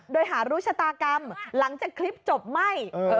โดยหารู้ชะตากรรมหลังจากคลิปจบไม่